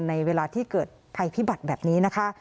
ในเวลาที่เกิดภัยพิบัติแบบนี้นะคะ